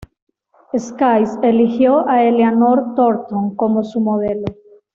Sykes eligió a Eleanor Thornton como su modelo.